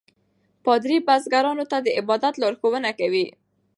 پادري بزګرانو ته د عبادت لارښوونه کوي.